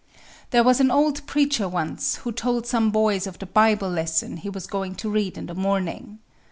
There was an old preacher once who told some boys of the Bible lesson he was going to read in the morning.